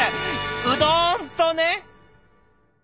うどんとね。